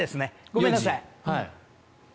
ごめんなさい。